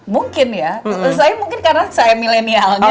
mungkin ya saya mungkin karena saya milenialnya